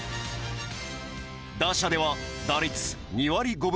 打者では打率２割５分８厘。